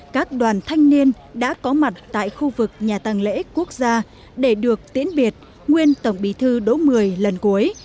các đoàn thanh niên đã có mặt tại khu vực nhà tăng lễ quốc gia để được tiễn biệt nguyên tổng bí thư đỗ mười lần cuối